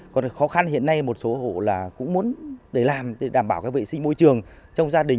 còn khó khăn hiện nay một số hộ cũng muốn để làm để đảm bảo vệ sinh môi trường trong gia đình